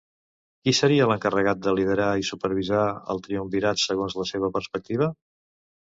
Qui seria l'encarregat de liderar i supervisar el triumvirat segons la seva perspectiva?